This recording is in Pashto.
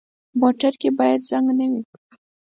موټر کې باید زنګ نه وي.